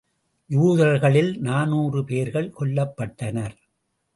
யூதர்களில் நானூறு பேர்கள் கொல்லப்பட்டனர்.